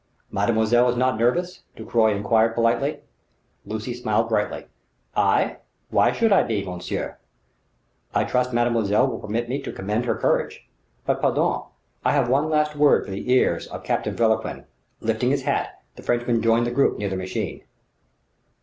"Mademoiselle is not nervous?" Ducroy enquired politely. Lucy smiled brightly. "I? Why should I be, monsieur?" "I trust mademoiselle will permit me to commend her courage. But pardon! I have one last word for the ear of Captain Vauquelin." Lifting his hat, the Frenchman joined the group near the machine.